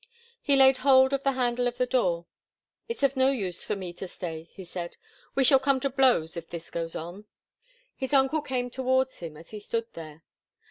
He laid hold of the handle of the door. "It's of no use for me to stay," he said. "We shall come to blows if this goes on." His uncle came towards him as he stood there.